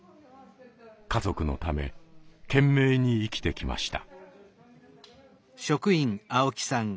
家族のため懸命に生きてきました。